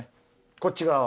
こっち側は。